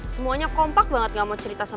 semuanya kompak banget gak mau cerita sama